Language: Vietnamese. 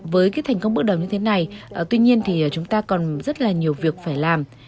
với cái thành công bước đầu như thế này tuy nhiên thì chúng ta còn rất là nhiều việc phải làm